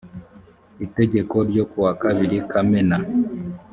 itegeko ryo kuwa kabiri kamena